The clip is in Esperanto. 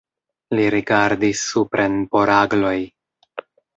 Li rigardis supren por agloj.